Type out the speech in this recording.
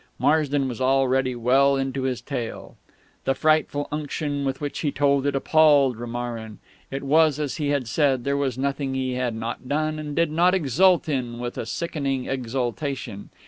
Marsden was already well into his tale... The frightful unction with which he told it appalled Romarin. It was as he had said there was nothing he had not done and did not exult in with a sickening exultation.